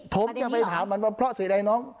ทมก็ไปถามมันว่าเพราะสินะน้อง